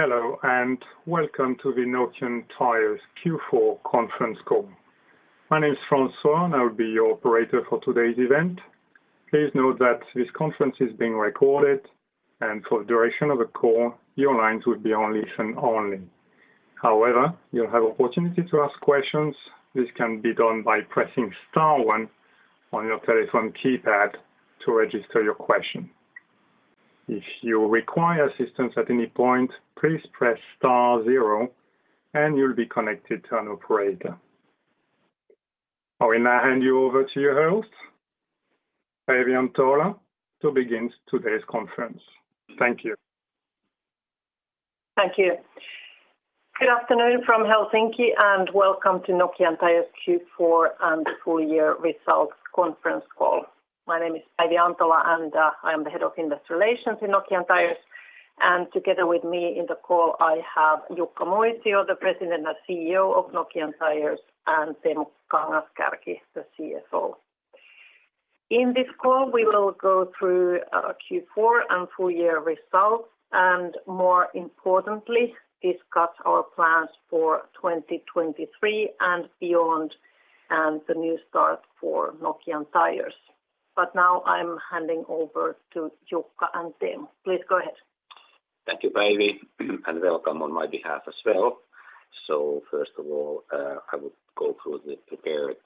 Hello, and welcome to the Nokian Tyres Q4 Conference Call. My name is Francois, and I will be your operator for today's event. Please note that this conference is being recorded, and for the duration of the call, your lines will be on listen only. However, you'll have opportunity to ask questions. This can be done by pressing star one on your telephone keypad to register your question. If you require assistance at any point, please press star zero and you'll be connected to an operator. I will now hand you over to your host, Päivi Antola, to begin today's conference. Thank you. Thank you. Good afternoon from Helsinki, welcome to Nokian Tyres Q4 and the full year results conference call. My name is Päivi Antola, I am the head of industrial relations in Nokian Tyres. Together with me in the call, I have Jukka Moisio, the President and CEO of Nokian Tyres, and Teemu Kangas-Kärki, the CFO. In this call, we will go through our Q4 and full year results, more importantly, discuss our plans for 2023 and beyond and the new start for Nokian Tyres. Now I'm handing over to Jukka and Teemu. Please go ahead. Thank you, Päivi, and welcome on my behalf as well. First of all, I would go through the prepared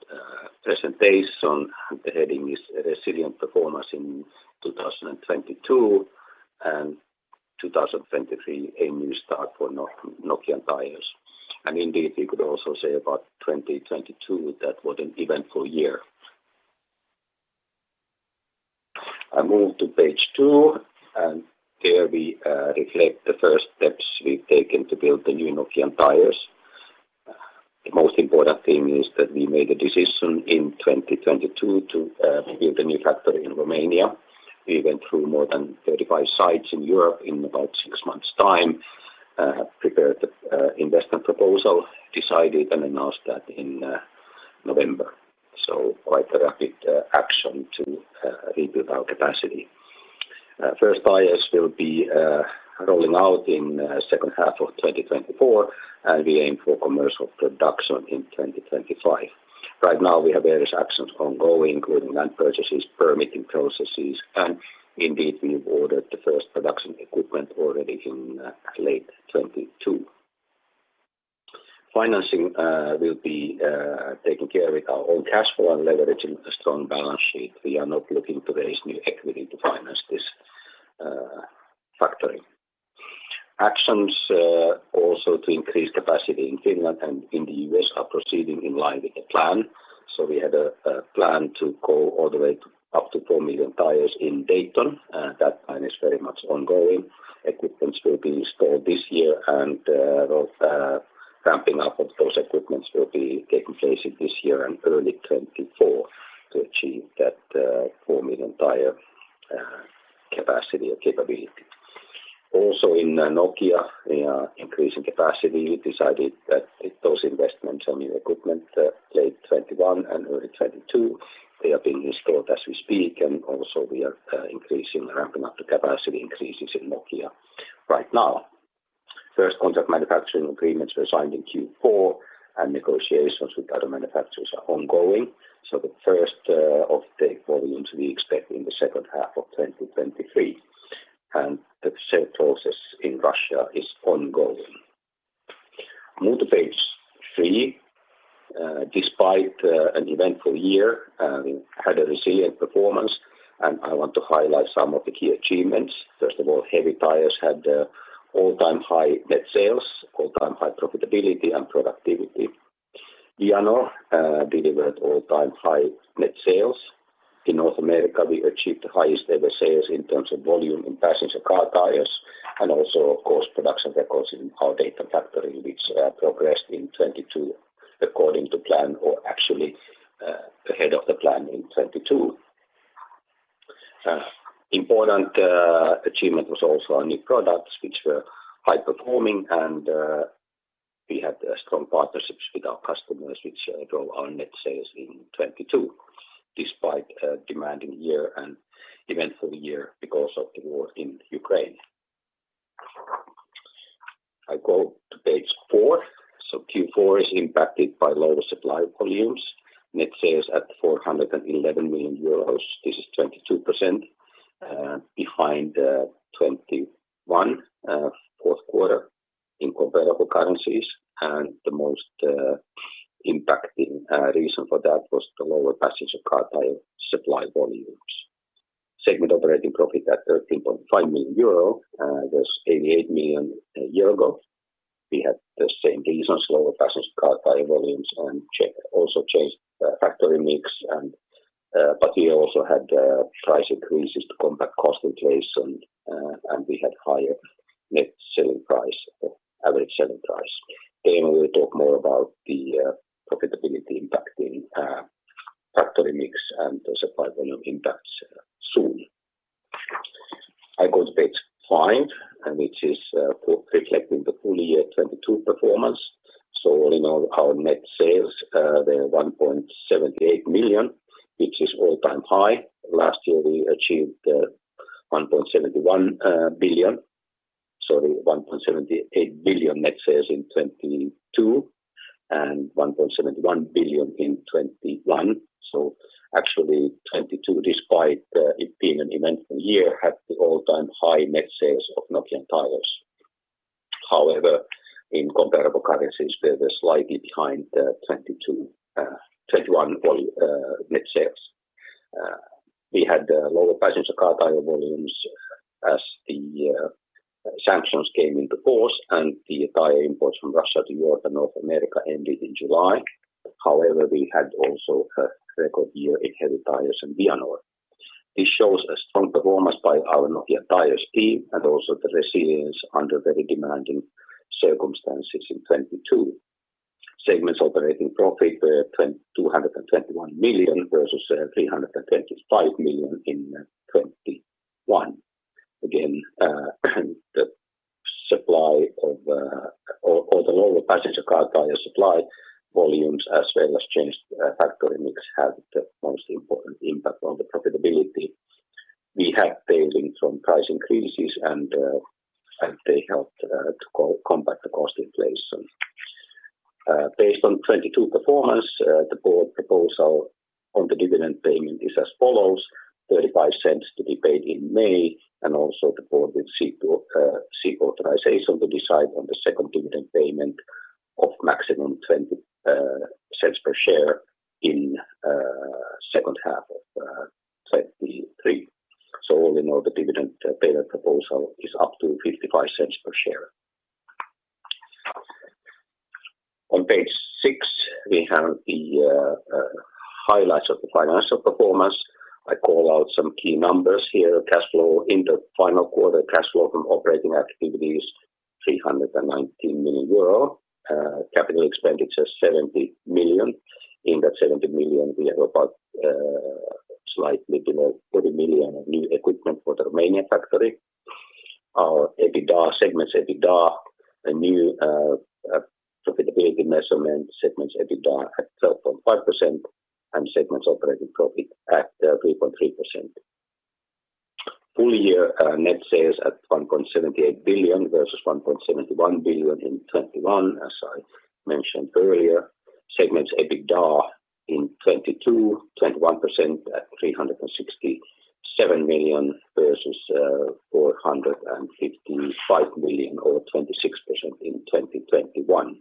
presentation. The heading is Resilient Performance in 2022 and 2023, a new start for Nokian Tyres. Indeed, we could also say about 2022, that was an eventful year. I move to page two, and there we reflect the first steps we've taken to build the new Nokian Tyres. The most important thing is that we made a decision in 2022 to build a new factory in Romania. We went through more than 35 sites in Europe in about six months' time, have prepared the investment proposal, decided and announced that in November. Quite a rapid action to rebuild our capacity. First tires will be rolling out in second half of 2024. We aim for commercial production in 2025. Right now, we have various actions ongoing, including land purchases, permitting processes, and indeed, we've ordered the first production equipment already in late 2022. Financing will be taken care with our own cash flow and leveraging the strong balance sheet. We are not looking to raise new equity to finance this factory. Actions also to increase capacity in Finland and in the U.S. are proceeding in line with the plan. We had a plan to go all the way to up to 4 million tires in Dayton. That plan is very much ongoing. Equipment will be installed this year and, well, ramping up of those equipment will be taking place in this year and early 2024 to achieve that 4 million tire capacity or capability. Also in Nokia, we are increasing capacity. We decided that those investments on new equipment late 2021 and early 2022, they are being installed as we speak, and also we are increasing ramping up the capacity increases in Nokia right now. Contract manufacturing agreements were signed in Q4. Negotiations with other manufacturers are ongoing. The first of the volumes we expect in the second half of 2023. The same process in Russia is ongoing. Move to page 3. Despite an eventful year, had a resilient performance. I want to highlight some of the key achievements. First of all, heavy tires had all-time high net sales, all-time high profitability and productivity. Vianor delivered all-time high net sales. In North America, we achieved the highest ever sales in terms of volume in passenger car tires, also of course, production records in our Dayton factory which progressed in 2022 according to plan or actually ahead of the plan in 2022. Important achievement was also our new products which were high performing and we had strong partnerships with our customers which drove our net sales in 2022 despite a demanding year and eventful year because of the war in Ukraine. I go to page 4. Q4 is impacted by lower supply volumes. Net sales at 411 million euros. This is 22% behind 2021 fourth quarter in comparable currencies, and the most impacting reason for that was the lower passenger car tire supply volumes. Segment operating profit at 13.5 million euro was 88 million a year ago. We had the same reasons, lower passenger car tire volumes and also changed factory mix. We also had price increases to combat cost inflation, and we had higher net selling price or average selling price. Teemu will talk more about the profitability impact in factory mix and the supply volume impacts soon. I go to page five, which is re-reflecting the full year 2022 performance. All in all, our net sales, they're 1.78 million, which is all-time high. Last year, we achieved 1.78 billion net sales in 2022, and 1.71 billion in 2021. Actually, 2022, despite it being an eventful year, had the all-time high net sales of Nokian Tyres. In comparable currencies, they're slightly behind the 2021 net sales. We had lower passenger car tire volumes as the sanctions came into force and the tire imports from Russia to Europe and North America ended in July. We had also a record year in heavy tires and Vianor. This shows a strong performance by our Nokian Tyres team and also the resilience under very demanding circumstances in 2022. Segments operating profit were 221 million versus 335 million in 2021. Again, the supply of the lower passenger car tire supply volumes as well as changed factory mix had the most important impact on the profitability. We had benefit from price increases and they helped to combat the cost inflation. Based on 2022 performance, the board proposal on the dividend payment is as follows, 0.35 to be paid in May, and also the board will seek to seek authorization to decide on the second dividend payment of maximum 0.20 per share in second half of 2023. All in all, the dividend payout proposal is up to 0.55 per share. On page 6, we have the highlights of the financial performance. I call out some key numbers here. Cash flow in the final quarter, cash flow from operating activity is 319 million euro. Capital expenditures, 70 million. In that 70 million, we have about, slightly below 30 million of new equipment for the Romania factory. Our EBITDA, segment's EBITDA, a new profitability measurement, segment's EBITDA at 12.5% and segment operating profit at 3.3%. Full year, net sales at 1.78 billion versus 1.71 billion in 2021, as I mentioned earlier. Segment's EBITDA in 2022, 21% at 367 million versus 455 million or 26% in 2021.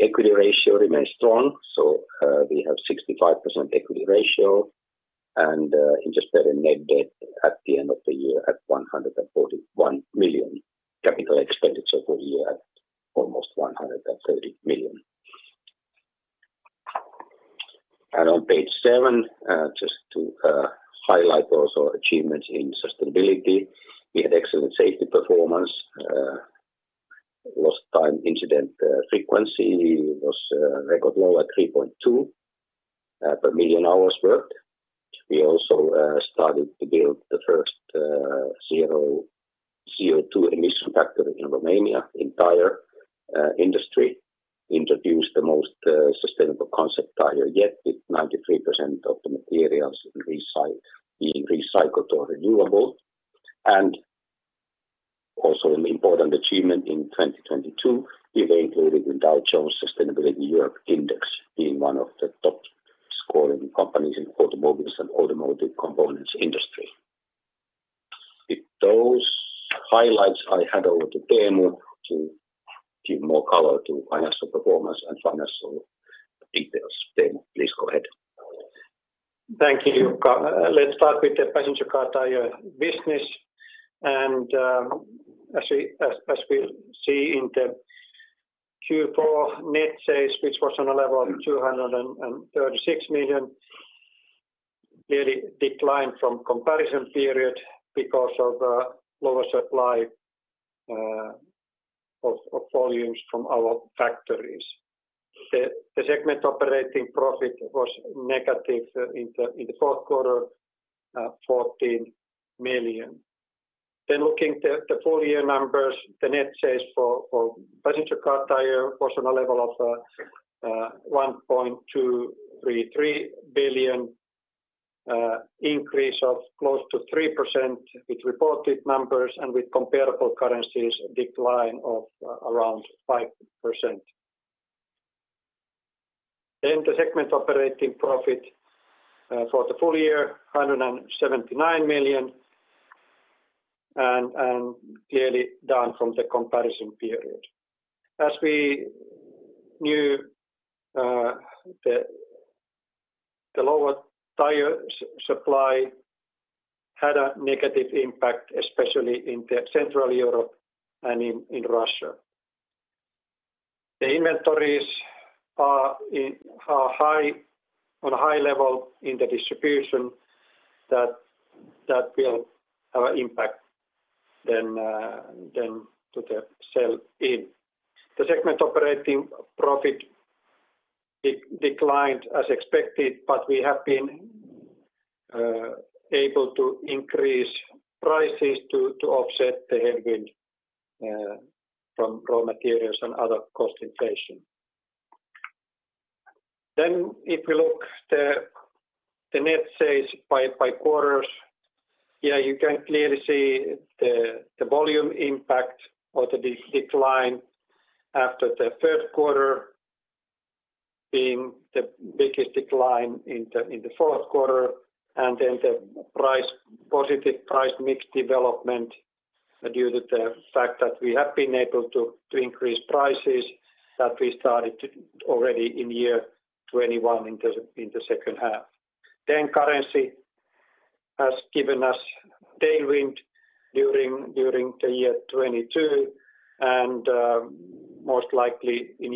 Equity ratio remains strong, so, we have 65% equity ratio and interest-bearing net debt at the end of the year at 141 million. Capital expenditures for the year at almost EUR 130 million. On page 7, just to highlight also our achievements in sustainability, we had excellent safety performance. Lost time incident frequency was record low at 3.2 per million hours worked. We also started to build the first zero CO2 emission factory in Romania in tire industry. Introduced the most sustainable concept tire yet, with 93% of the materials being recycled or renewable. Also an important achievement in 2022, we were included in Dow Jones Sustainability Europe Index, being one of the top-scoring companies in automobiles and automotive components industry. With those highlights, I hand over to Teemu to give more color to financial performance and financial details. Teemu, please go ahead. Thank you, Jukka. Let's start with the passenger car tire business. As we see in the Q4 net sales, which was on a level of 236 million, clearly declined from comparison period because of lower supply of volumes from our factories. The segment operating profit was negative in the fourth quarter, 14 million. Looking at the full year numbers, the net sales for passenger car tire was on a level of 1.233 billion, increase of close to 3% with reported numbers and with comparable currencies, a decline of around 5%. The segment operating profit for the full year, 179 million and clearly down from the comparison period. As we knew, the lower tire supply had a negative impact, especially in Central Europe and in Russia. The inventories are high, on a high level in the distribution that will have impact then to the sell-in. The segment operating profit declined as expected, but we have been able to increase prices to offset the headwind from raw materials and other cost inflation. If you look the net sales by quarters, you can clearly see the volume impact of the decline after the third quarter being the biggest decline in the fourth quarter, and then the positive price mix development due to the fact that we have been able to increase prices that we started to already in year 2021 in the second half. Currency has given us tailwind during the year 2022, and most likely in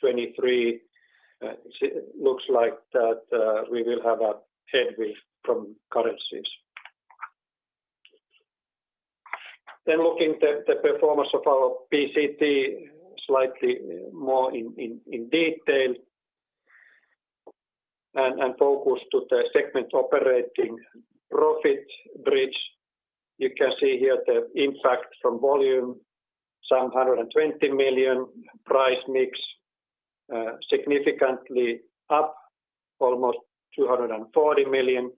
2023, it looks like that we will have a headwind from currencies. Looking at the performance of our PCT slightly more in detail and focus to the segment operating profit bridge. You can see here the impact from volume, 120 million price mix, significantly up almost 240 million,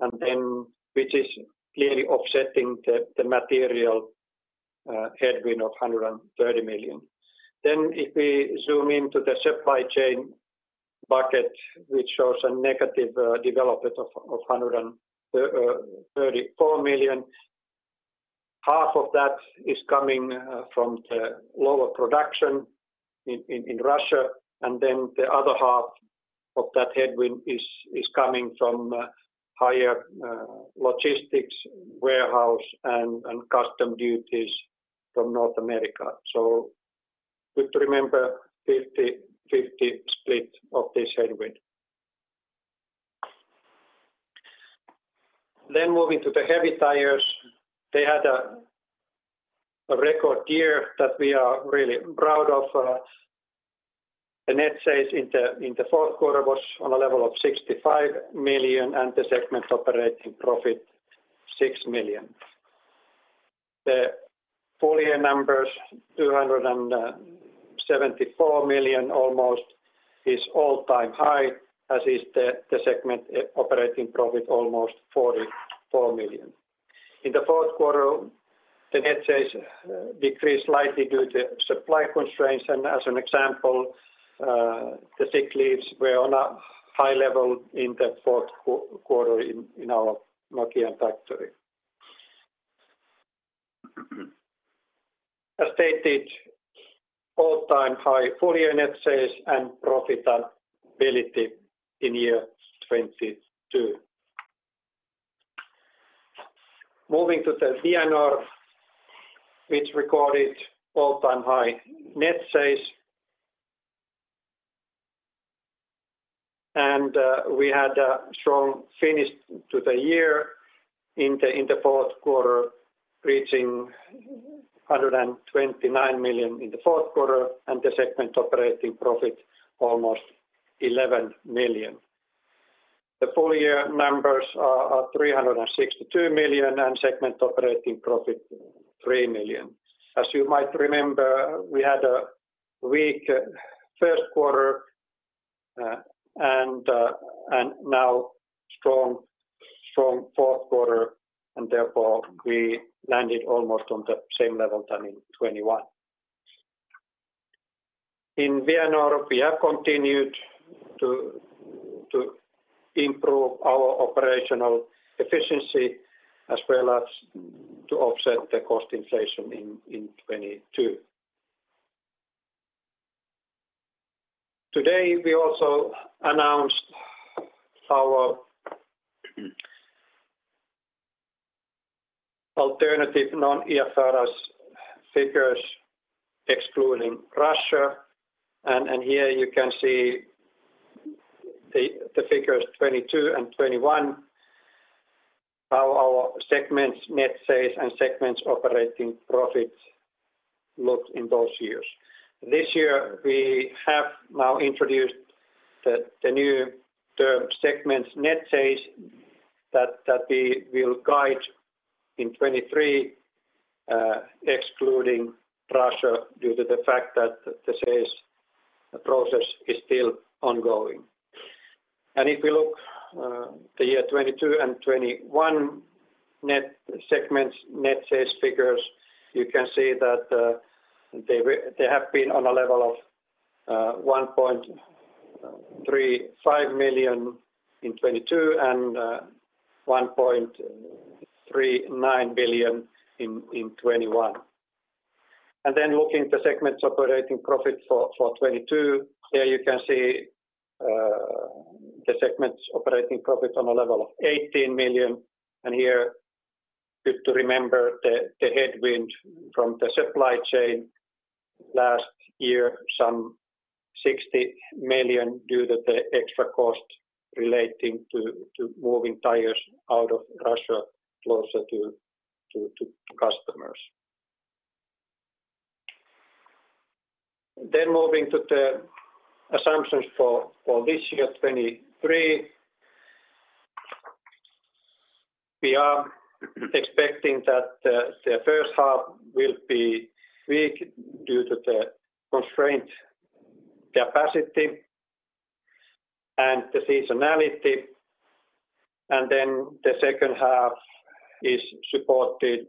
and then which is clearly offsetting the material headwind of 130 million. If we zoom into the supply chain bucket, which shows a negative development of 134 million, half of that is coming from the lower production in Russia, the other half of that headwind is coming from higher logistics, warehouse, and custom duties from North America. Good to remember 50/50 split of this headwind. Moving to the heavy tires, they had a record year that we are really proud of. The net sales in the fourth quarter was on a level of 65 million, and the segment operating profit, 6 million. The full year numbers, 274 million almost, is all-time high, as is the segment operating profit, almost 44 million. In the fourth quarter, the net sales decreased slightly due to supply constraints, as an example, the sick leaves were on a high level in the fourth quarter in our Nokian factory. As stated, all-time high full year net sales and profitability in 2022. Moving to the Vianor, which recorded all-time high net sales. We had a strong finish to the year in the fourth quarter, reaching 129 million in the fourth quarter and the segment operating profit almost 11 million. The full year numbers are 362 million and segment operating profit, 3 million. As you might remember, we had a weak first quarter, and now strong fourth quarter, and therefore we landed almost on the same level than in 2021. In Vianor, we have continued to improve our operational efficiency as well as to offset the cost inflation in 2022. Today, we also announced our alternative non-IFRS figures excluding Russia. Here you can see the figures 2022 and 2021, how our segments net sales and segments operating profits looked in those years. This year, we have now introduced the new term segments net sales that we will guide in 2023, excluding Russia due to the fact that the sales process is still ongoing. If we look the year 2022 and 2021 segments net sales figures, you can see that they have been on a level of 1.35 million in 2022 and 1.39 billion in 2021. Looking at the segments operating profit for 2022, here you can see the segments operating profit on a level of 18 million. Here, good to remember the headwind from the supply chain last year, some 60 million, due to the extra cost relating to moving tires out of Russia closer to customers. Moving to the assumptions for this year, 2023. We are expecting that the first half will be weak due to the constrained capacity and the seasonality. The second half is supported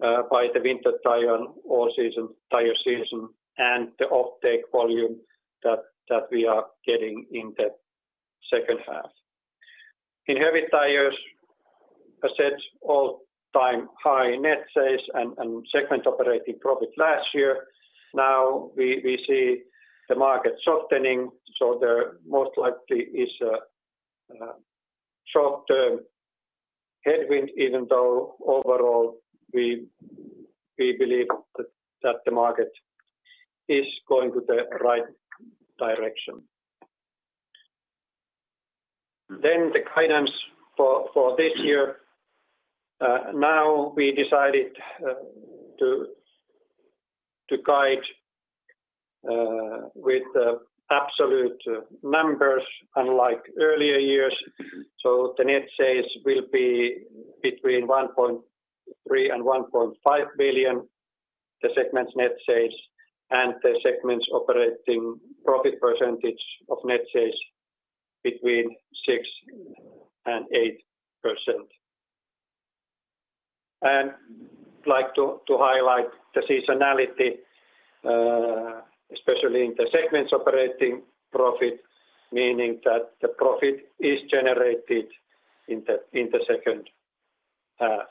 by the winter tire and all-season tire season and the offtake volume that we are getting in the second half. In Heavy Tires, a set all-time high net sales and segment operating profit last year. Now we see the market softening, so there most likely is a short-term headwind, even though overall we believe that the market is going to the right direction. The guidance for this year. Now we decided to guide with the absolute numbers unlike earlier years. The net sales will be between 1.3 billion and 1.5 billion, the segment's net sales, and the segment's operating profit percentage of net sales between 6% and 8%. I'd like to highlight the seasonality, especially in the segment's operating profit, meaning that the profit is generated in the second half.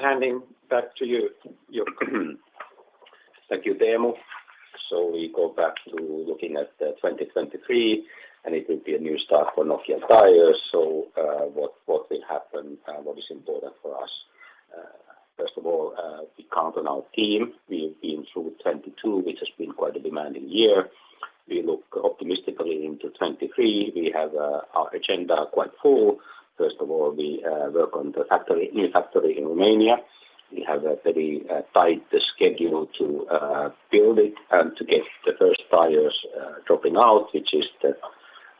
Handing back to you, Jukka. Thank you, Teemu. We go back to looking at 2023, and it will be a new start for Nokian Tyres. What will happen and what is important for us? First of all, we count on our team. We've been through 2022, which has been quite a demanding year. We look optimistically into 2023. We have our agenda quite full. First of all, we work on the factory, new factory in Romania. We have a very tight schedule to build it and to get the first tires dropping out, which is the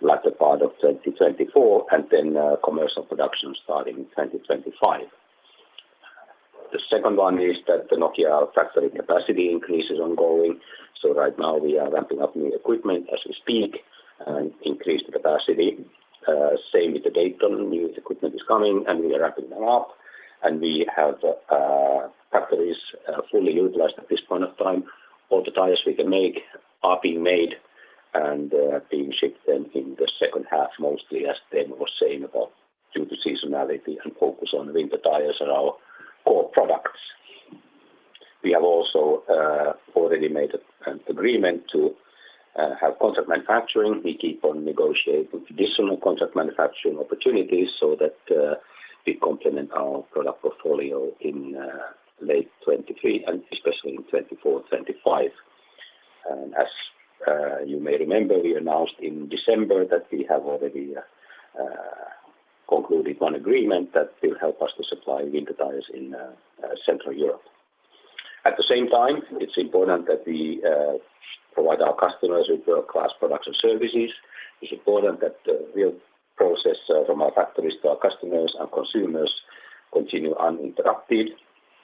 latter part of 2024, and then commercial production starting in 2025. The second one is that the Nokian Tyres factory capacity increase is ongoing. Right now we are ramping up new equipment as we speak and increase the capacity. Same with the Dayton. New equipment is coming, and we are ramping them up. We have factories fully utilized at this point of time. All the tires we can make are being made and being shipped then in the second half mostly, as Teemu was saying about due to seasonality and focus on winter tires and our core products. We have also already made an agreement to have contract manufacturing. We keep on negotiating additional contract manufacturing opportunities so that we complement our product portfolio in late 2023 and especially in 2024, 2025. As you may remember, we announced in December that we have already concluded one agreement that will help us to supply winter tires in Central Europe. At the same time, it's important that we provide our customers with world-class products and services. It's important that the wheel process from our factories to our customers and consumers continue uninterrupted.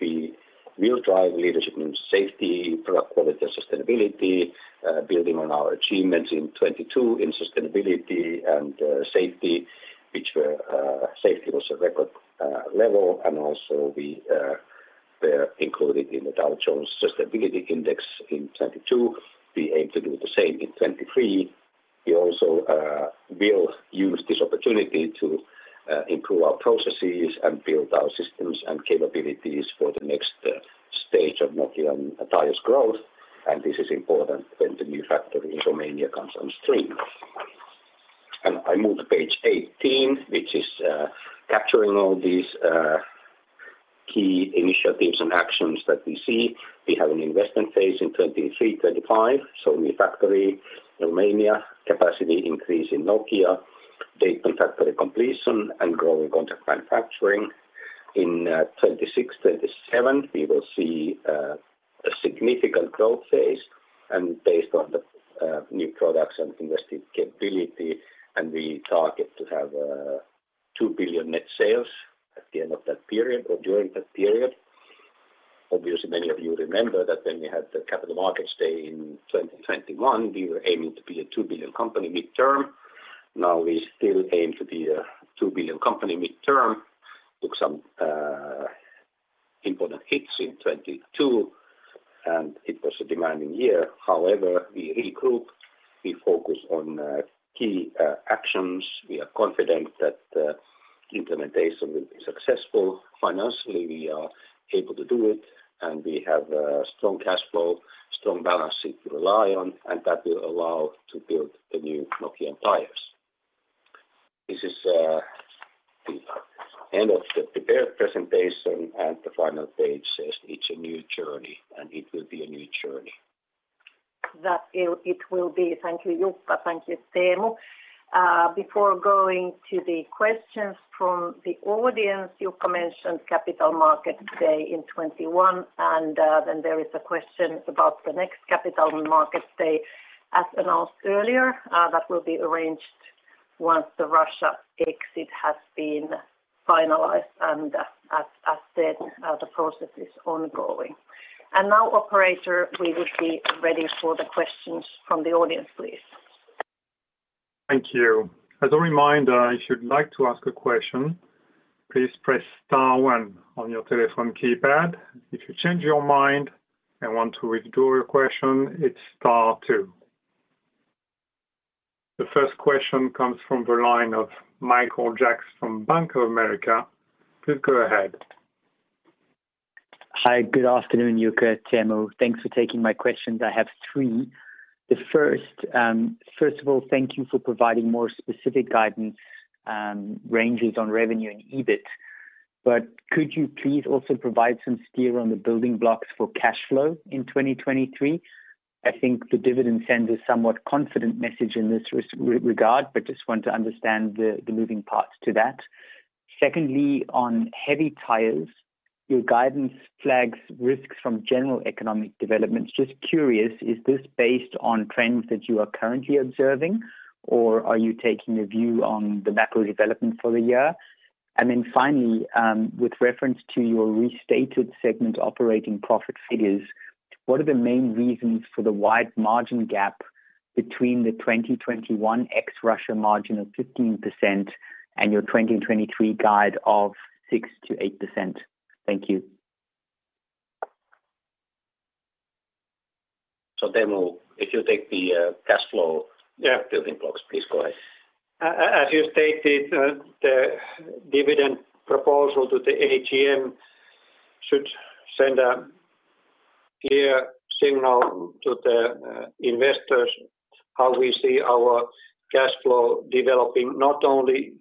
We will drive leadership in safety, product quality, and sustainability, building on our achievements in 2022 in sustainability and safety, which was a record level. Also we were included in the Dow Jones Sustainability Index in 2022. We aim to do the same in 2023. We also will use this opportunity to improve our processes and build our systems and capabilities for the next stage of Nokian Tyres growth, and this is important when the new factory in Romania comes on stream. I move to page 18, which is capturing all these key initiatives and actions that we see. We have an investment phase in 2023, 2025, so new factory, Romania, capacity increase in Nokia, Dayton factory completion, and growing contract manufacturing. In 2026, 2027, we will see a significant growth phase and based on the new products and invested capability, and we target to have 2 billion net sales at the end of that period or during that period. Obviously, many of you remember that when we had the Capital Markets Day in 2021, we were aiming to be a 2 billion company midterm. Now we still aim to be a 2 billion company midterm. Took some important hits in 2022, and it was a demanding year. However, we regroup, we focus on key actions. We are confident that the implementation will be successful. Financially, we are able to do it, and we have a strong cash flow, strong balance sheet to rely on, and that will allow to build the new Nokian Tyres. This is the end of the prepared presentation, and the final page says, "It's a new journey," and it will be a new journey. That it will be. Thank you, Jukka. Thank you, Teemu. Before going to the questions from the audience, Jukka mentioned Capital Market Day in 21, and then there is a question about the next Capital Market Day. As announced earlier, that will be arranged once the Russia exit has been finalized. As said, the process is ongoing. Now, operator, we would be ready for the questions from the audience, please. Thank you. As a reminder, if you'd like to ask a question, please press star one on your telephone keypad. If you change your mind and want to withdraw your question, it's star two. The first question comes from the line of Michael Jacks from Bank of America. Please go ahead. Hi. Good afternoon, Jukka, Teemu. Thanks for taking my questions. I have three. The first, First of all, thank you for providing more specific guidance, ranges on revenue and EBIT. Could you please also provide some steer on the building blocks for cash flow in 2023? I think the dividend sends a somewhat confident message in this regard, but just want to understand the moving parts to that. Secondly, on heavy tires, your guidance flags risks from general economic developments. Just curious, is this based on trends that you are currently observing, or are you taking a view on the macro development for the year? Finally, with reference to your restated segment operating profit figures, what are the main reasons for the wide margin gap between the 2021 ex Russia margin of 15% and your 2023 guide of 6%-8%? Thank you. Teemu, if you take the cash flow. Yeah -building blocks, please go ahead. As you stated, the dividend proposal to the AGM should send a clear signal to the investors how we see our cash flow developing, not only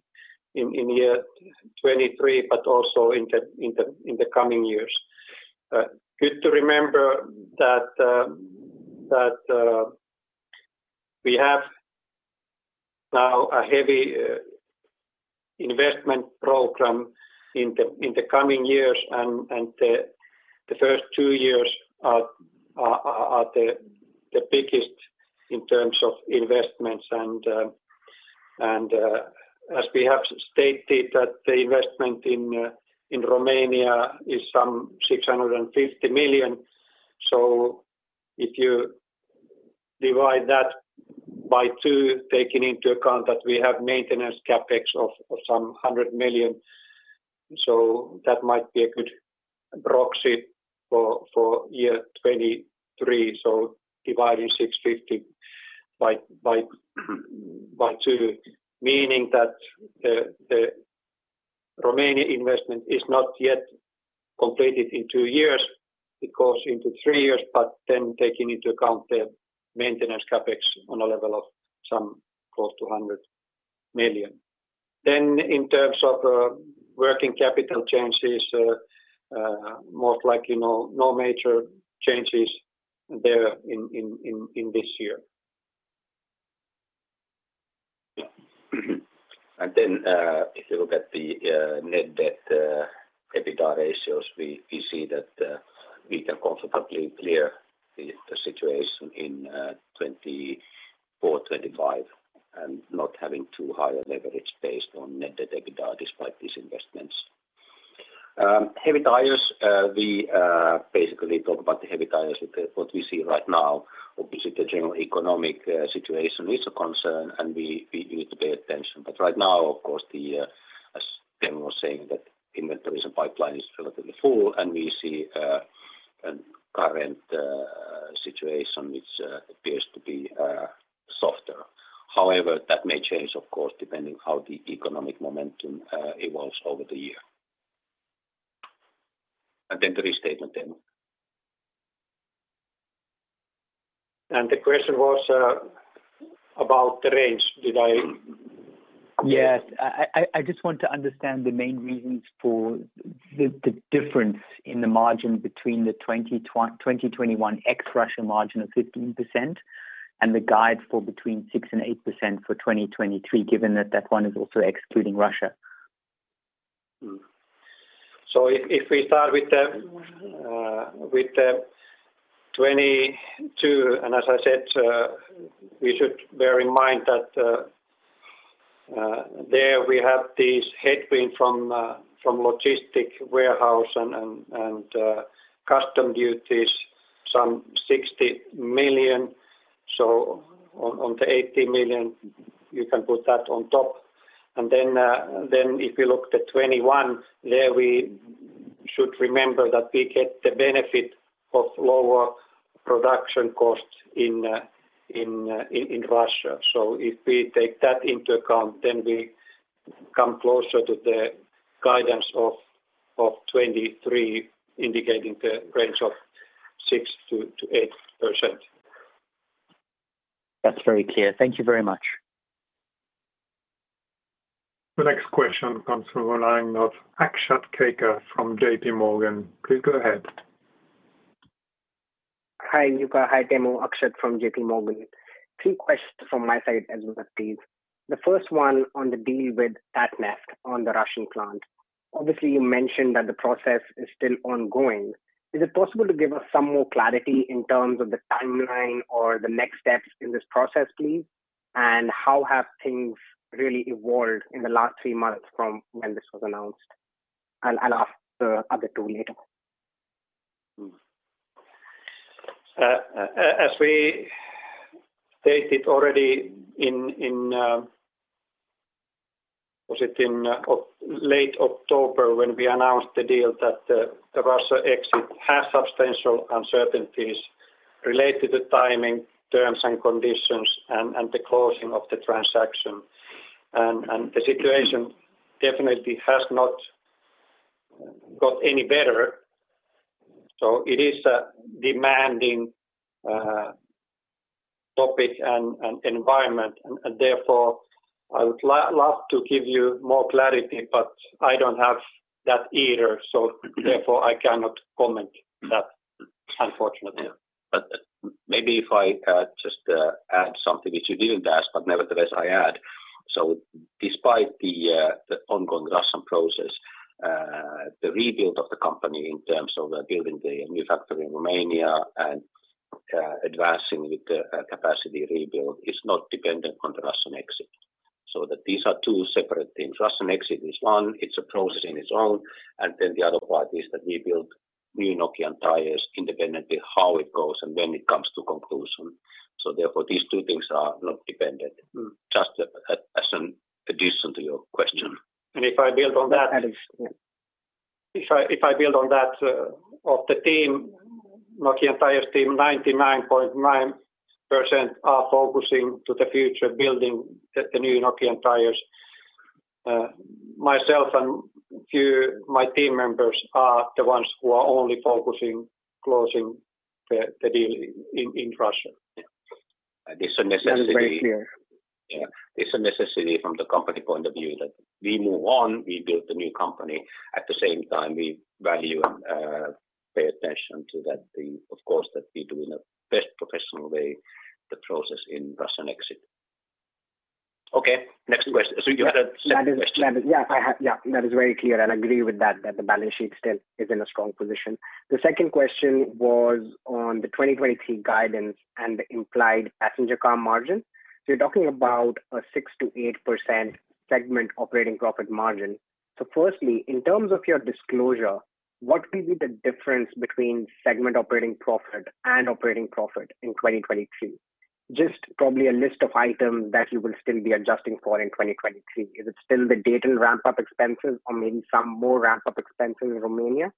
in year 23, but also in the coming years. Good to remember that we have now a heavy investment program in the coming years, and the first two years are the biggest in terms of investments. As we have stated that the investment in Romania is some 650 million. If you divide that by two, taking into account that we have maintenance CapEx of some 100 million, that might be a good proxy for year 2023. Dividing 650 by two, meaning that the Romania investment is not yet completed in two years, it goes into three years. Taking into account the maintenance CapEx on a level of some close to 100 million. In terms of working capital changes, most likely no major changes there in this year. If you look at the net debt/EBITDA ratios, we see that we can comfortably clear the situation in 2024, 2025, and not having too higher leverage based on net debt/EBITDA despite these investments. Heavy tires, we basically talk about the heavy tires, what we see right now. Obviously, the general economic situation is a concern, and we need to pay attention. Right now, of course, the as Teemu was saying that inventory and pipeline is relatively full and we see an current situation which appears to be softer. However, that may change, of course, depending how the economic momentum evolves over the year. The restatement, Teemu. The question was about the range. Yes. I just want to understand the main reasons for the difference in the margin between the 2021 ex-Russia margin of 15% and the guide for between 6% and 8% for 2023, given that one is also excluding Russia. If we start with the 22, as I said, we should bear in mind that there we have this headwind from logistic warehouse and custom duties, some 60 million. On the 80 million, you can put that on top. If you look at 21, there we should remember that we get the benefit of lower production costs in Russia. If we take that into account, then we come closer to the guidance of 23, indicating the range of 6%-8%. That's very clear. Thank you very much. The next question comes from the line of Akshat Kacker from J.P. Morgan. Please go ahead. Hi Jukka, hi Teemu. Akshat from J.P. Morgan. Three questions from my side as of these. The first one on the deal with Tatneft on the Russian plant. Obviously, you mentioned that the process is still ongoing. Is it possible to give us some more clarity in terms of the timeline or the next steps in this process, please? How have things really evolved in the last three months from when this was announced? I'll ask the other two later. As we stated already in, was it in late October when we announced the deal that the Russia exit has substantial uncertainties related to timing, terms, and conditions and the closing of the transaction. The situation definitely has not got any better, so it is a demanding topic and environment. Therefore, I would love to give you more clarity, but I don't have that either, so therefore I cannot comment that, unfortunately. Yeah. Maybe if I just add something which you didn't ask, but nevertheless I add. Despite the ongoing Russian process, the rebuild of the company in terms of building the new factory in Romania and advancing with the capacity rebuild is not dependent on the Russian exit. That these are two separate things. Russian exit is one, it's a process in its own, the other part is that we build new Nokian Tyres independently, how it goes and when it comes to conclusion. Therefore, these two things are not dependent. Just as an addition to your question. if I build on that That is, yeah. If I build on that, of the team, Nokian Tyres team, 99.9% are focusing to the future building the new Nokian Tyres. Myself and few my team members are the ones who are only focusing closing the deal in Russia. Yeah. It's a necessity That is very clear. Yeah. It's a necessity from the company point of view that we move on, we build the new company. At the same time, we value and pay attention to that thing, of course, that we do in a best professional way the process in Russian exit. Okay, next question. You had a second question. That is. Yeah, I have. Yeah, that is very clear, and I agree with that the balance sheet still is in a strong position. The second question was on the 2023 guidance and the implied passenger car margin. You're talking about a 6%-8% segment operating profit margin. Firstly, in terms of your disclosure, what will be the difference between segment operating profit and operating profit in 2023? Just probably a list of items that you will still be adjusting for in 2023. Is it still the data ramp-up expenses or maybe some more ramp-up expenses in Romania?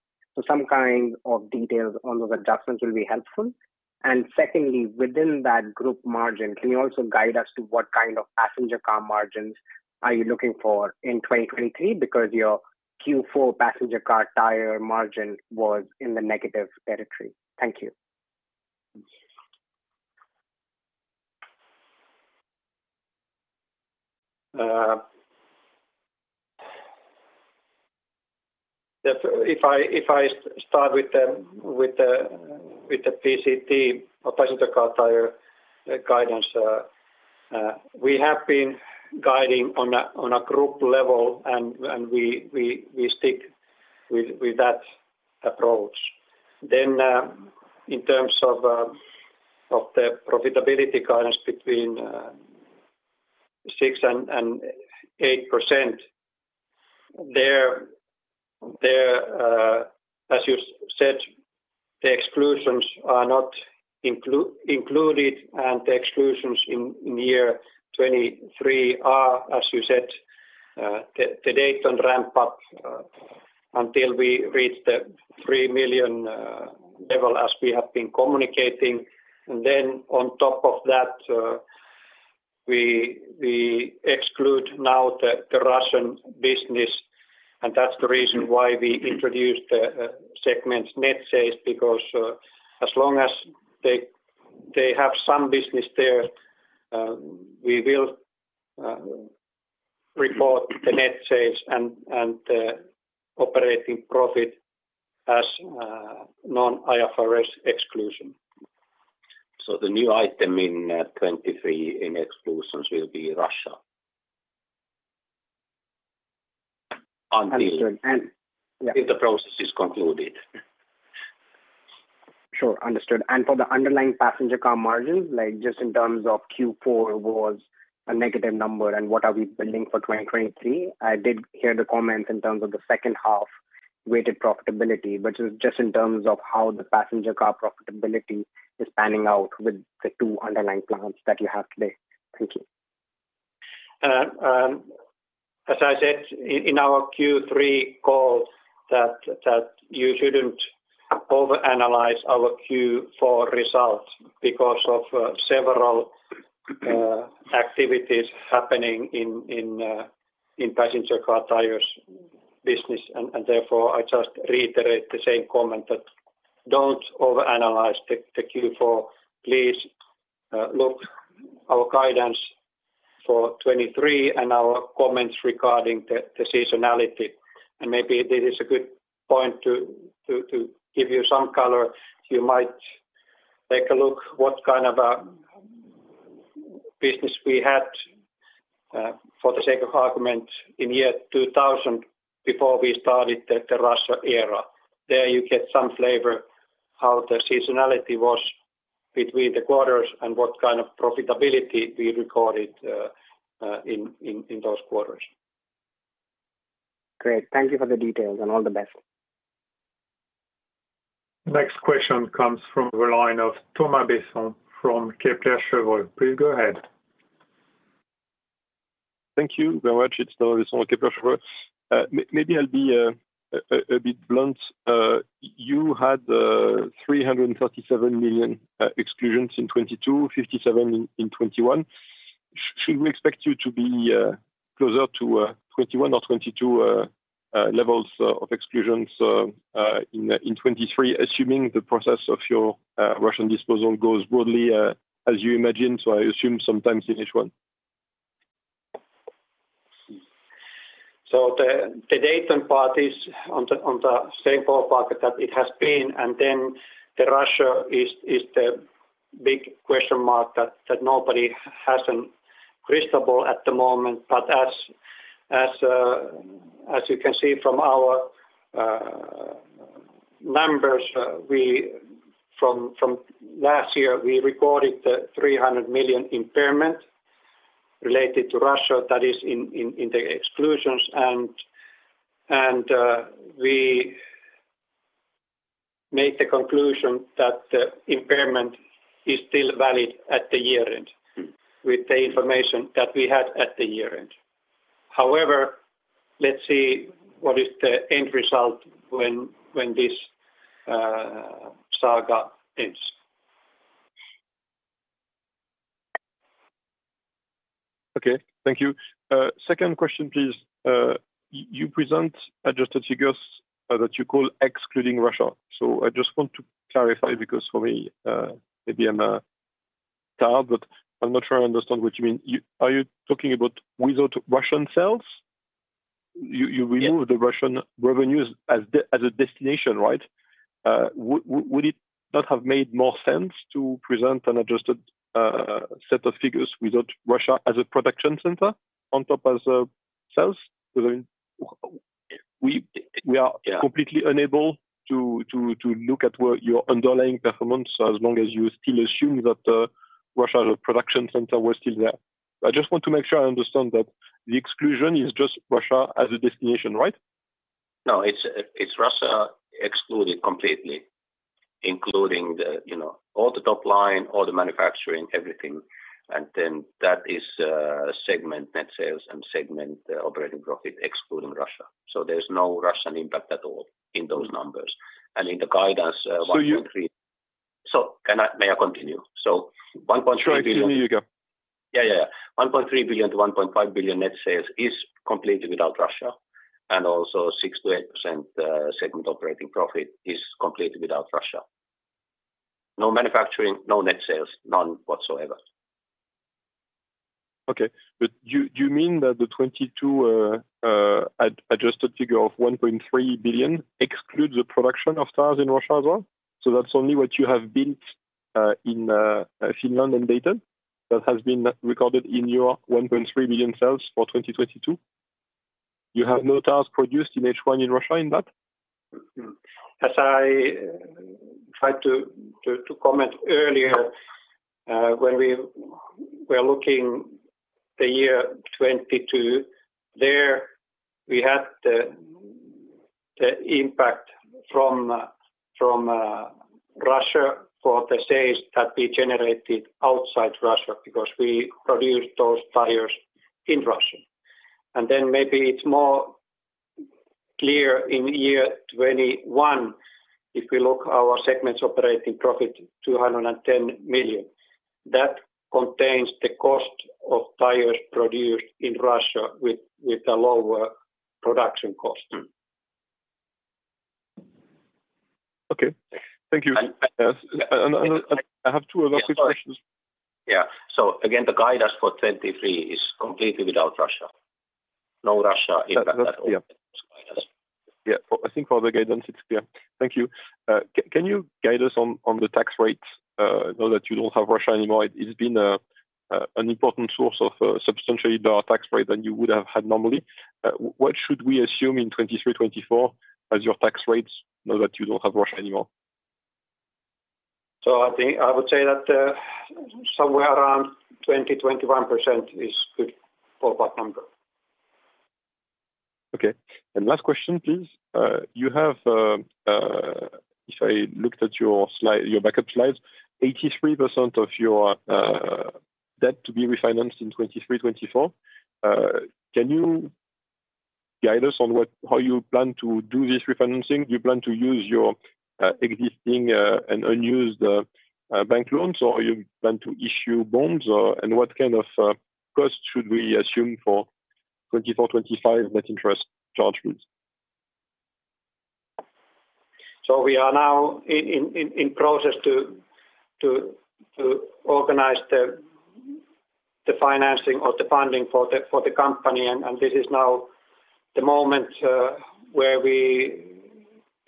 Some kind of details on those adjustments will be helpful. Secondly, within that group margin, can you also guide us to what kind of passenger car margins are you looking for in 2023? Your Q4 passenger car tire margin was in the negative territory. Thank you. If I start with the PCT or passenger car tire guidance, we have been guiding on a group level and we stick with that approach. Then, in terms of the profitability guidance between 6% and 8%, as you said, the exclusions are not included, and the exclusions in year 2023 are, as you said, the date on ramp-up until we reach the 3 million level as we have been communicating. On top of that, we exclude now the Russian business, and that's the reason why we introduced the segments net sales because as long as they have some business there, we will report the net sales and the operating profit as non-IFRS exclusion. The new item in, 23 in exclusions will be Russia. Understood. Yeah if the process is concluded. Sure. Understood. For the underlying passenger car margin, like just in terms of Q4 was a negative number, and what are we building for 2023? I did hear the comments in terms of the second half weighted profitability, but just in terms of how the passenger car profitability is panning out with the two underlying plants that you have today? Thank you. As I said in our Q3 call that you shouldn't overanalyze our Q4 results because of several activities happening in passenger car tires business, and therefore I just reiterate the same comment that don't overanalyze the Q4. Please look our guidance for 2023 and our comments regarding the seasonality. Maybe this is a good point to give you some color. You might take a look what kind of a business we had for the sake of argument in year 2000 before we started the Russia era. There you get some flavor how the seasonality was between the quarters and what kind of profitability we recorded in those quarters. Great. Thank you for the details, and all the best. Next question comes from the line of Thomas Besson from Kepler Cheuvreux. Please go ahead. Thank you very much. It's Thomas Besson, Kepler Cheuvreux. maybe I'll be a bit blunt. you had 347 million exclusions in 2022, 57 million in 2021. Should we expect you to be closer to 2021 or 2022 levels of exclusions in 2023, assuming the process of your Russian disposal goes broadly as you imagine, so I assume sometimes in H1? The Dayton part is on the same ballpark that it has been, and then the Russia is the big question mark that nobody has an crystal ball at the moment. As you can see from our numbers, we from last year recorded 300 million impairment related to Russia that is in the exclusions. We made the conclusion that the impairment is still valid at the year-end with the information that we had at the year-end. let's see what is the end result when this saga ends. Okay. Thank you. second question, please. you present adjusted figures, that you call excluding Russia. I just want to clarify because for me, maybe I'm tired, but I'm not sure I understand what you mean. Are you talking about without Russian sales? Yes. remove the Russian revenues as a destination, right? Would it not have made more sense to present an adjusted set of figures without Russia as a production center on top of the sales? I mean, we. Yeah. We are completely unable to look at what your underlying performance as long as you still assume that Russia as a production center was still there. I just want to make sure I understand that the exclusion is just Russia as a destination, right? No, it's Russia excluded completely, including the, you know, all the top line, all the manufacturing, everything. That is segment net sales and segment operating profit excluding Russia. There's no Russian impact at all in those numbers. In the guidance, 1.3. So you May I continue? 1.3 billion. Sure. You go. Yeah, yeah. 1.3 billion-1.5 billion net sales is completely without Russia. 6%-8% segment operating profit is completely without Russia. No manufacturing, no net sales, none whatsoever. Okay. Do you mean that the 22 adjusted figure of 1.3 billion excludes the production of tires in Russia as well? That's only what you have built in Finland and Dayton that has been recorded in your 1.3 billion sales for 2022? You have no tires produced in H1 in Russia in that? As I tried to comment earlier, when we were looking the year 2022, there we had the impact from Russia for the sales that we generated outside Russia because we produced those tires in Russia. Then maybe it's more clear in year 2021 if we look our segment operating profit, 210 million. That contains the cost of tires produced in Russia with a lower production cost. Okay. Thank you. And, and, and Yes. I have two other quick questions. Yeah. Again, the guidance for 2023 is completely without Russia. No Russia impact at all That's. Yeah. in those guidance. Yeah. I think for the guidance it's clear. Thank you. Can you guide us on the tax rates now that you don't have Russia anymore? It's been an important source of a substantially lower tax rate than you would have had normally. What should we assume in 2023, 2024 as your tax rates now that you don't have Russia anymore? I think I would say that, somewhere around 20, 21% is good ballpark number. Okay. Last question, please. You have, if I looked at your slide, your backup slides, 83% of your debt to be refinanced in 2023-2024. Can you guide us on how you plan to do this refinancing? Do you plan to use your existing and unused bank loans, or you plan to issue bonds? What kind of cost should we assume for 2024-2025 net interest charge fees? We are now in process to organize the financing or the funding for the company. This is now the moment where we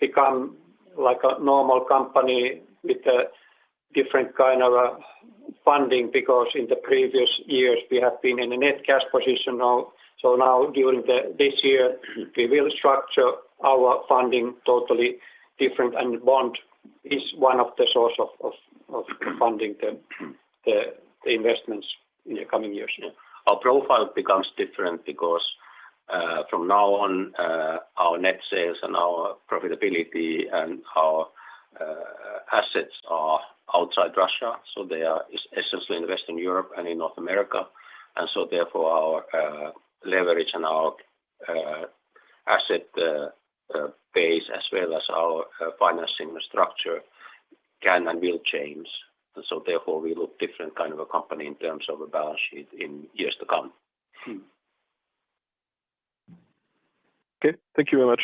become like a normal company with a different kind of a funding, because in the previous years, we have been in a net cash position now. Now during the this year, we will structure our funding totally different, and bond is one of the source of funding the investments in the coming years. Yeah. Our profile becomes different because from now on, our net sales and our profitability and our assets are outside Russia, so they are essentially in Western Europe and in North America. Therefore, our leverage and our asset base as well as our financing structure can and will change. Therefore, we look different kind of a company in terms of a balance sheet in years to come. Okay. Thank you very much.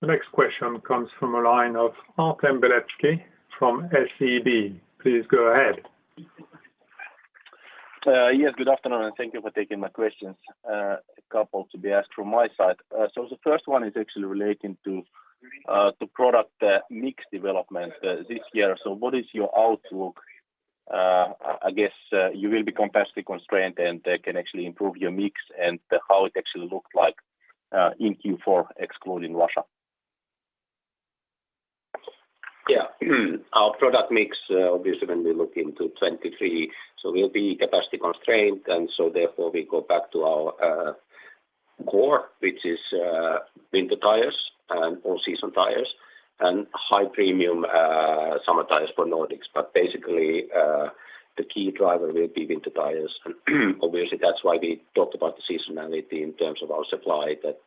The next question comes from a line of Artem Beletski from SEB. Please go ahead. Yes, good afternoon, and thank you for taking my questions. A couple to be asked from my side. The first one is actually relating to, the product, mix development, this year. What is your outlook? I guess, you will be capacity-constrained, and, can actually improve your mix and how it actually looked like, in Q4 excluding Russia. Our product mix, obviously when we look into 2023, so we'll be capacity-constrained. Therefore we go back to our core, which is winter tires and all-season tires and high premium summer tires for Nordics. Basically, the key driver will be winter tires. Obviously, that's why we talked about the seasonality in terms of our supply that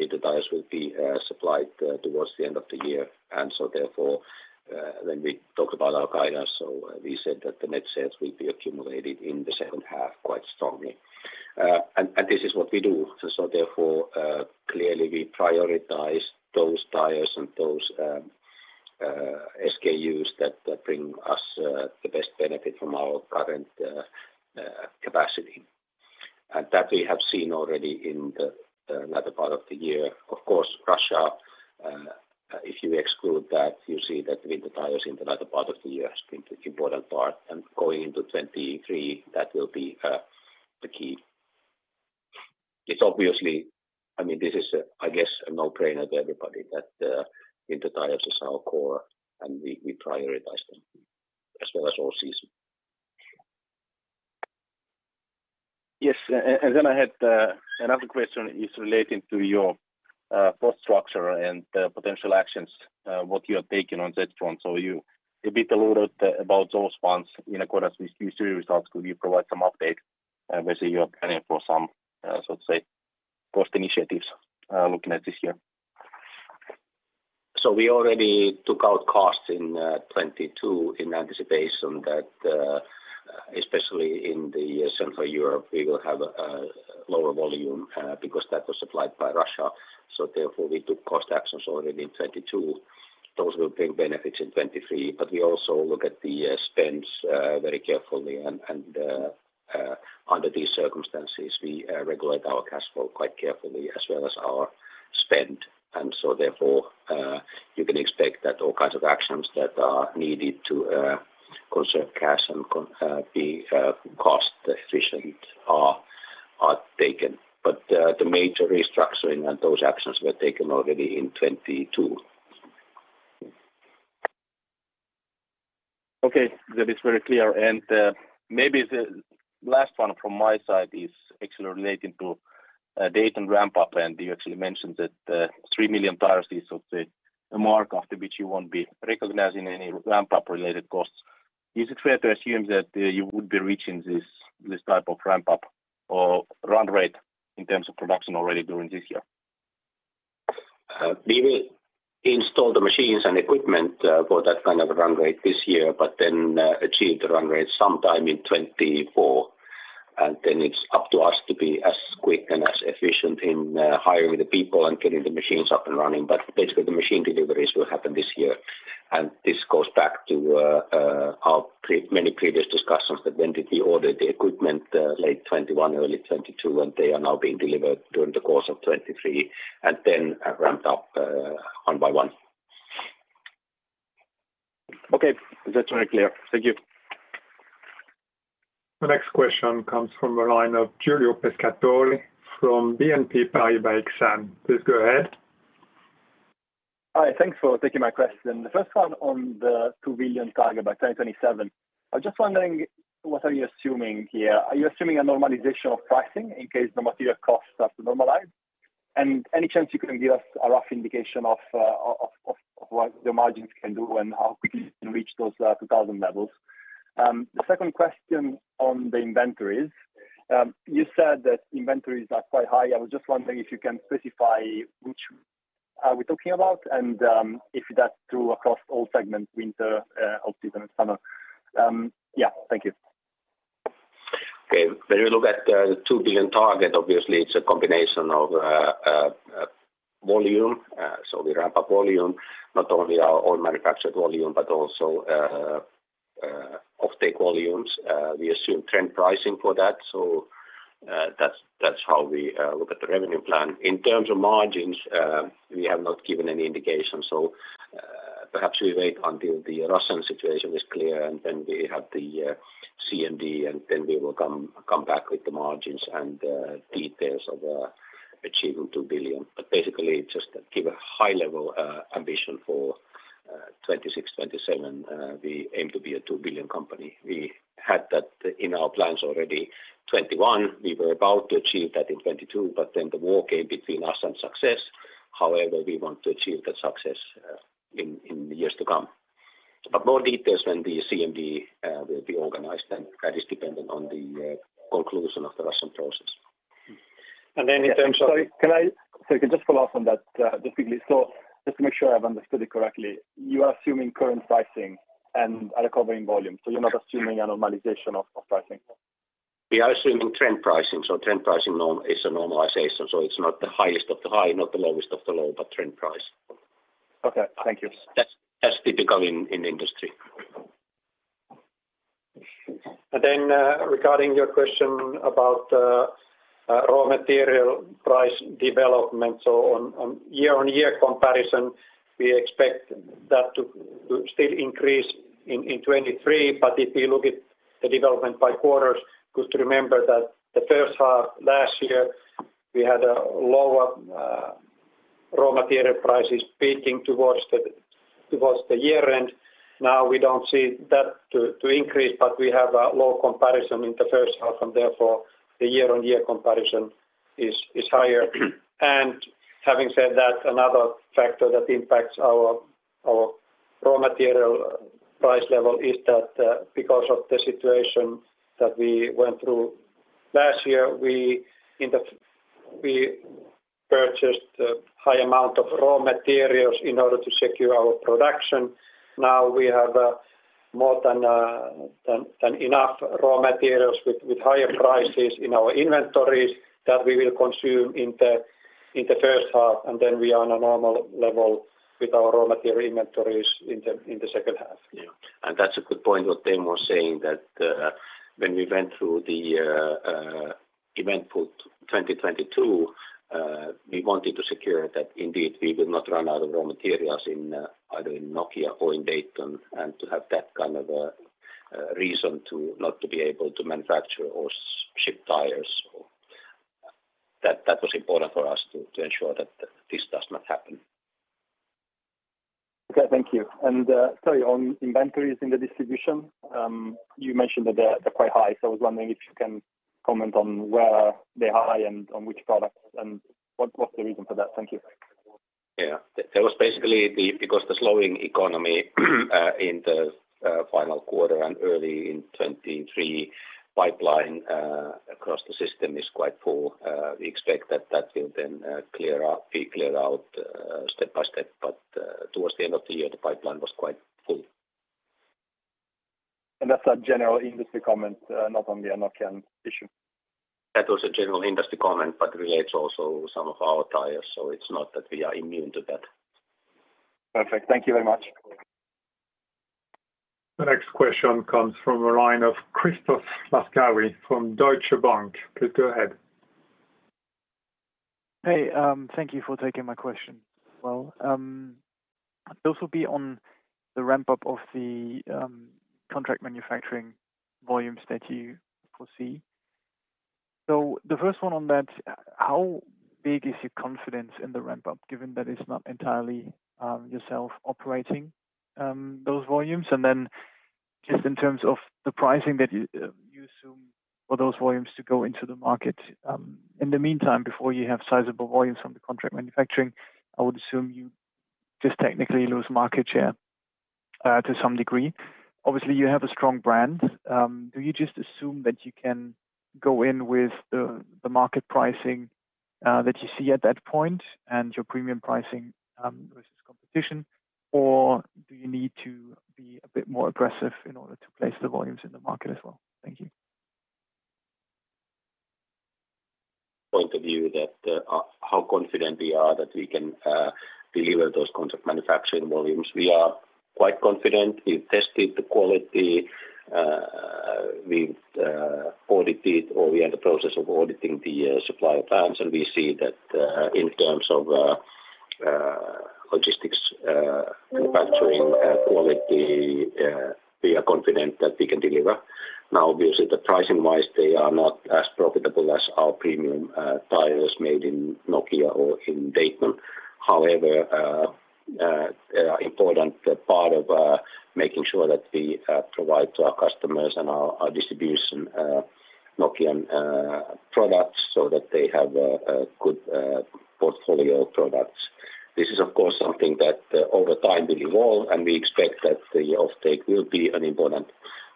winter tires will be supplied towards the end of the year. Therefore, when we talk about our guidance, so we said that the net sales will be accumulated in the second half quite strongly. This is what we do. Therefore, clearly we prioritize those tires and those SKUs that bring us the best benefit from our current capacity. That we have seen already in the latter part of the year. Of course, Russia, if you exclude that, you see that winter tires in the latter part of the year has been the important part. Going into 2023, that will be the key. It's obviously, I mean, this is, I guess, a no-brainer to everybody that winter tires is our core, and we prioritize them as well as all-season. Yes. I had another question relating to your cost structure and potential actions what you are taking on that front. You a bit alluded about those ones in accordance with Q3 results. Could you provide some update? Obviously, you are planning for some, so to say, cost initiatives looking at this year. We already took out costs in 2022 in anticipation that especially in the Central Europe, we will have a lower volume, because that was supplied by Russia. Therefore, we took cost actions already in 2022. Those will bring benefits in 2023. We also look at the spends very carefully and under these circumstances, we regulate our cash flow quite carefully as well as our spend. Therefore, you can expect that all kinds of actions that are needed to conserve cash and be cost-efficient are taken. The major restructuring and those actions were taken already in 2022. Okay. That is very clear. Maybe the last one from my side is actually relating to Dayton ramp-up, and you actually mentioned that, 3 million tires is sort of the mark after which you won't be recognizing any ramp-up related costs. Is it fair to assume that, you would be reaching this type of ramp-up or run rate in terms of production already during this year? We will install the machines and equipment, for that kind of run rate this year. Then achieve the run rate sometime in 2024. Then it's up to us to be as quick and as efficient in hiring the people and getting the machines up and running. Basically, the machine deliveries will happen this year. This goes back to our many previous discussions that when did we order the equipment, late 2021, early 2022, and they are now being delivered during the course of 2023, and then ramped up, one by one. Okay. That's very clear. Thank you. The next question comes from a line of Giulio Pescatore from BNP Paribas Exane. Please go ahead. Hi. Thanks for taking my question. The first one on the 2 billion target by 2027. I was just wondering, what are you assuming here? Are you assuming a normalization of pricing in case the material costs have to normalize? Any chance you can give us a rough indication of what the margins can do and how quickly you can reach those 2,000 levels? The second question on the inventories. You said that inventories are quite high. I was just wondering if you can specify which are we talking about and if that's true across all segments, winter, all season and summer. Yeah. Thank you. Okay. When you look at the 2 billion target, obviously it's a combination of volume, so we ramp up volume, not only our own manufactured volume, but also offtake volumes. We assume trend pricing for that. That's how we look at the revenue plan. In terms of margins, we have not given any indication. Perhaps we wait until the Russian situation is clear, and then we have the CMD, and then we will come back with the margins and details of achieving 2 billion. Basically, just give a high level ambition for 2026, 2027, we aim to be a 2 billion company. We had that in our plans already 2021. We were about to achieve that in 2022. The war came between us and success. We want to achieve that success in the years to come. More details when the CMD will be organized, and that is dependent on the conclusion of the Russian process. in terms of Sorry, if I can just follow up on that quickly. Just to make sure I've understood it correctly, you are assuming current pricing and a recovery in volume. You're not assuming a normalization of pricing? We are assuming trend pricing. Trend pricing norm is a normalization, so it's not the highest of the high, not the lowest of the low, but trend price. Okay, thank you. That's typical in industry. Regarding your question about raw material price development. On year-on-year comparison, we expect that to still increase in 2023. If you look at the development by quarters, good to remember that the first half last year, we had a lower raw material prices peaking towards the year end. Now we don't see that to increase, but we have a low comparison in the first half, and therefore the year-on-year comparison is higher. Having said that, another factor that impacts our raw material price level is that because of the situation that we went through last year, we purchased a high amount of raw materials in order to secure our production. Now we have more than enough raw materials with higher prices in our inventories that we will consume in the first half, and then we are on a normal level with our raw material inventories in the second half. Yeah. That's a good point what Teemu was saying that, when we went through the event for 2022, we wanted to secure that indeed we would not run out of raw materials in either in Nokia or in Dayton, and to have that kind of a reason to not to be able to manufacture or ship tires. That was important for us to ensure that this does not happen. Okay, thank you. sorry, on inventories in the distribution, you mentioned that they're quite high. I was wondering if you can comment on where they're high and on which products and what's the reason for that? Thank you. Yeah. That was basically the, because the slowing economy, in the final quarter and early in 2023, pipeline across the system is quite full. We expect that that will then clear up, be cleared out, step by step. Towards the end of the year, the pipeline was quite full. That's a general industry comment, not only a Nokian issue. That was a general industry comment, but relates also some of our tires, so it's not that we are immune to that. Perfect. Thank you very much. The next question comes from the line of Christoph Laskawi from Deutsche Bank. Please go ahead. Hey, thank you for taking my question as well. This will be on the ramp up of the contract manufacturing volumes that you foresee. The first one on that, how big is your confidence in the ramp up, given that it's not entirely yourself operating those volumes? Just in terms of the pricing that you assume for those volumes to go into the market, in the meantime, before you have sizable volumes from the contract manufacturing, I would assume you just technically lose market share to some degree. Obviously, you have a strong brand. Do you just assume that you can go in with the market pricing that you see at that point and your premium pricing versus competition or do you need to be a bit more aggressive in order to place the volumes in the market as well? Thank you. Point of view that, how confident we are that we can deliver those contract manufacturing volumes. We are quite confident. We've tested the quality, we've audited or we are in the process of auditing the supplier plans, and we see that in terms of logistics, manufacturing, quality, we are confident that we can deliver. Obviously, the pricing-wise, they are not as profitable as our premium tires made in Nokia or in Dayton. Important part of making sure that we provide to our customers and our distribution Nokian products so that they have a good portfolio of products. This is of course, something that, over time will evolve, and we expect that the offtake will be an important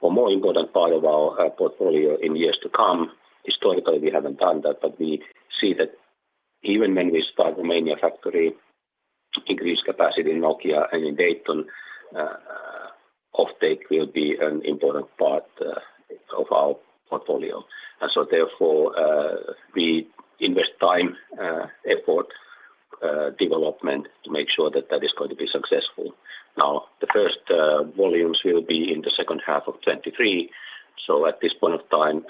or more important part of our portfolio in years to come. Historically, we haven't done that, but we see that even when we start Romania factory to increase capacity in Nokia and in Dayton, offtake will be an important part of our portfolio. Therefore, we invest time, effort, development to make sure that that is going to be successful. The first volumes will be in the second half of 2023. At this point of time,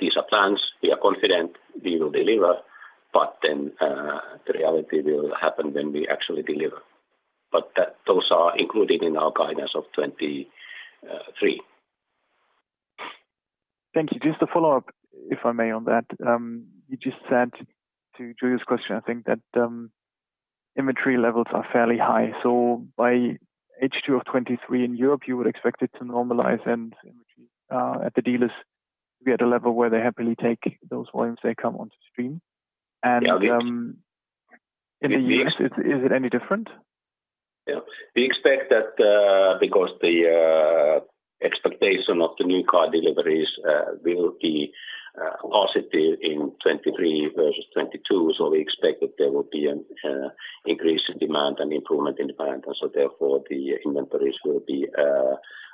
these are plans. We are confident we will deliver, then the reality will happen when we actually deliver. Those are included in our guidance of 2023. Thank you. Just a follow-up, if I may, on that. You just said to Julia's question, I think, that inventory levels are fairly high. By H2 of 2023 in Europe, you would expect it to normalize and at the dealers to be at a level where they happily take those volumes, they come onto stream. Yeah. In the U.S., is it any different? Yeah. We expect that, because the expectation of the new car deliveries, will be positive in 2023 versus 2022. We expect that there will be an increase in demand and improvement in demand. Therefore, the inventories will be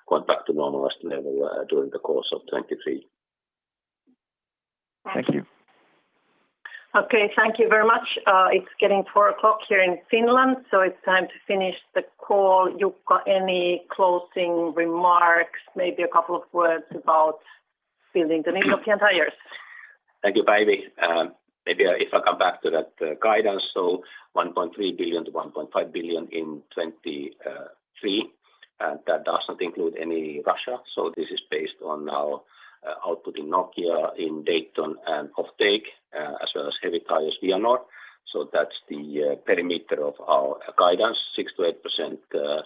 going back to normal as they were during the course of 2023. Thank you. Okay. Thank you very much. It's getting 4:00 P.M. here in Finland, so it's time to finish the call. Jukka, any closing remarks? Maybe a couple of words about building the new Nokian Tyres. Thank you, Päivi. Maybe if I come back to that guidance. 1.3 billion-1.5 billion in 2023, and that does not include any Russia. This is based on our output in Nokia, in Dayton and offtake, as well as heavy tires Vianor. That's the perimeter of our guidance, 6%-8%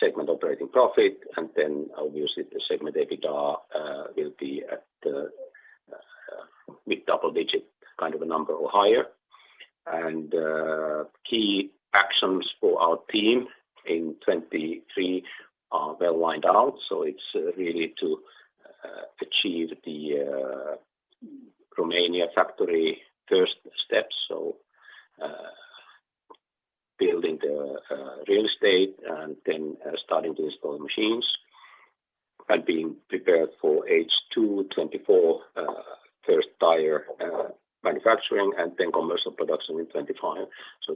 segment operating profit. Obviously, the segment EBITDA will be at mid-double digit kind of a number or higher. Key actions for our team in 2023 are well lined out. It's really to achieve the Romania factory first step. Building the real estate and then starting to install machines and being prepared for H2 2024, first tire manufacturing and then commercial production in 2025.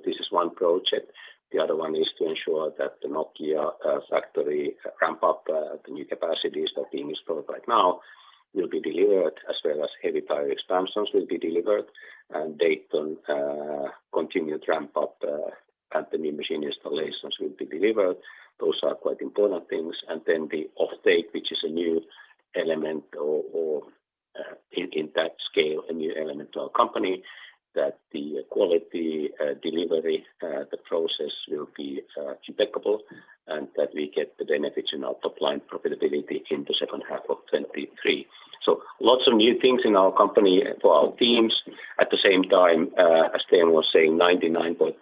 This is one project. The other one is to ensure that the Nokia factory ramp up, the new capacities that are being installed right now will be delivered as well as heavy tire expansions will be delivered. Dayton continued ramp up, and the new machine installations will be delivered. Those are quite important things. Then the offtake, which is a new element or, in that scale, a new element to our company, that the quality, delivery, the process will be impeccable and that we get the benefits in our top line profitability in the second half of 2023. Lots of new things in our company for our teams. At the same time, as Teemu was saying, 99.9%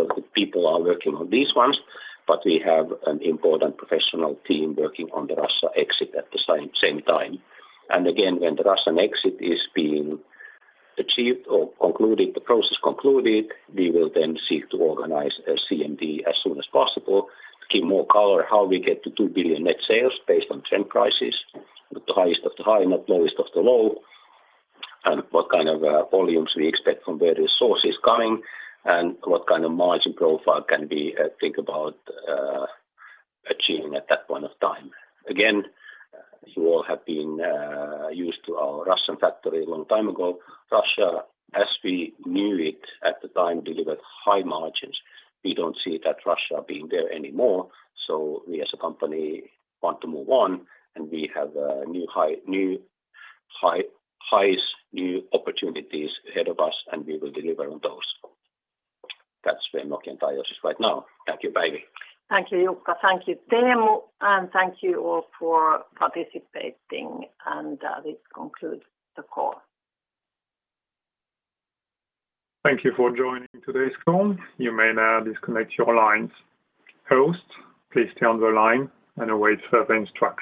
of the people are working on these ones. We have an important professional team working on the Russia exit at the same time. When the Russia exit is being achieved or concluded, the process concluded, we will then seek to organize a CMD as soon as possible to give more color how we get to 2 billion net sales based on trend prices, the highest of the high, not lowest of the low. What kind of volumes we expect from where the source is coming and what kind of margin profile can we think about achieving at that point of time. You all have been used to our Russian factory a long time ago. Russia, as we knew it at the time, delivered high margins. We don't see that Russia being there anymore. We as a company want to move on, and we have new highs, new opportunities ahead of us, and we will deliver on those. That's where Nokian Tyres is right now. Thank you, Päivi. Thank you, Jukka. Thank you, Teemu, and thank you all for participating. This concludes the call. Thank you for joining today's call. You may now disconnect your lines. Host, please stay on the line and await further instructions.